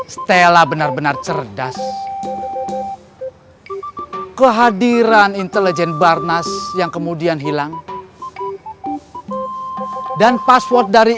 stella benar benar cerdas kehadiran intelijen barnas yang kemudian hilang dan password dari